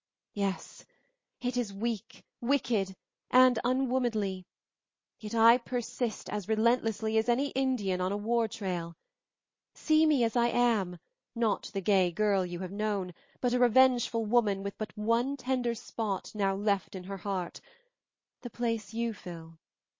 "Yes, it is weak, wicked, and unwomanly; yet I persist as relentlessly as any Indian on a war trail. See me as I am, not the gay girl you have known, but a revengeful woman with but one tender spot now left in her heart, the place you fill.